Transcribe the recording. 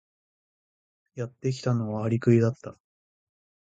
やってきたのはアリクイだった。